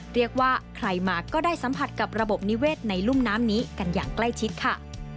เรียกว่าใครมาก็ได้สัมผัสกับระบบนิเวศในรุ่มน้ำนี้กันอย่างใกล้ชิดค่ะ